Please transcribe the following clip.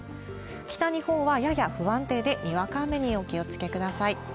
北日本はやや不安定で、にわか雨にお気をつけください。